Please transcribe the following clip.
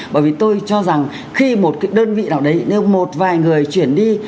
bởi vì tôi cho rằng khi một cái đơn vị nào đấy nếu một vài người chuyển đi